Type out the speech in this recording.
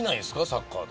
サッカーで。